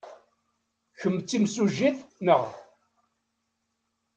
Kemm d timsujjit, naɣ?